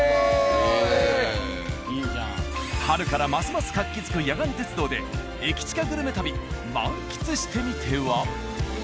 春からますます活気づく野岩鉄道で駅チカグルメ旅満喫してみては？